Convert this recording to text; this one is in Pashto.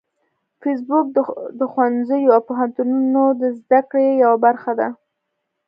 فېسبوک د ښوونځیو او پوهنتونونو د زده کړې یوه برخه ده